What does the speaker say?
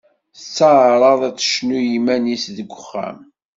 Tettaɛraḍ ad tecnu i yiman-is deg uxxam.